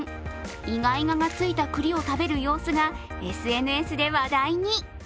イガイガがついたくりを食べる様子がＳＮＳで話題に。